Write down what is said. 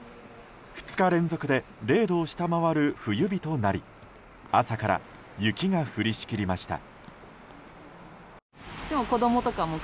２日連続で０度を下回る冬日となり朝から雪が降りしきりました。